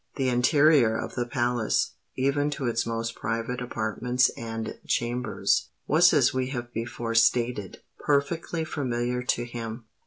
The interior of the palace—even to its most private apartments and chambers—was as we have before stated, perfectly familiar to him.